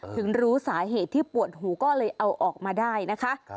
ถึงรู้สาเหตุที่ปวดหูก็เลยเอาออกมาได้นะคะ